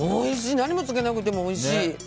何もつけなくてもおいしい。